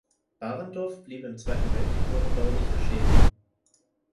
Barendorf blieb im Zweiten Weltkrieg ohne bauliche Schäden.